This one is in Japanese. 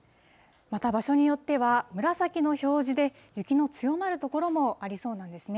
また場所によっては、紫の表示で、雪の強まる所もありそうなんですね。